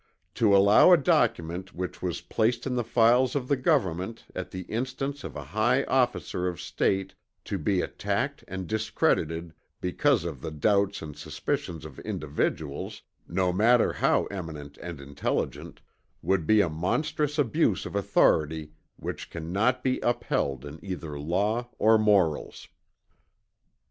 To allow a document which was placed in the files of the Government at the instance of a high officer of State to be attacked and discredited because of the doubts and suspicions of individuals, no matter how eminent and intelligent, would be a monstrous abuse of authority which can not be upheld in either law or morals."